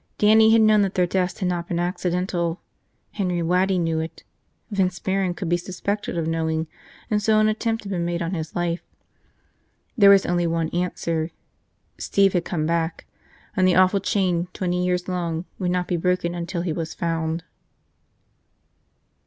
Dannie had known that their deaths had not been accidental. Henry Waddy knew it. Vince Barron could be suspected of knowing and so an attempt had been made on his life. There was only one answer: Steve had come back. And the awful chain twenty years long would not be broken until he was found.